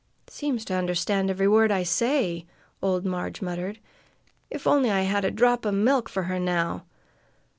"Seems to understand every word I say!" old Marg muttered. "If only I had a drop o' milk for her now!"